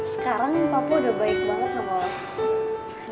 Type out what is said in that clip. sekarang papa udah baik banget sama roman